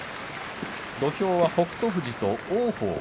土俵は北勝富士と王鵬。